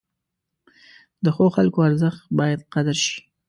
د ښو خلکو ارزښت باید قدر شي.